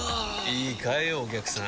いいかいお客さん。